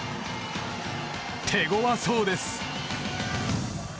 手ごわそうです。